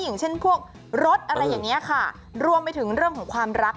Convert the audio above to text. อย่างเช่นพวกรถอะไรอย่างนี้ค่ะรวมไปถึงเรื่องของความรัก